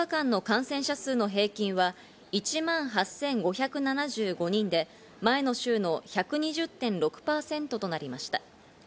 直近７日間の感染者数の平均は１万８５７５人で、前の週の１２０．６％となりました。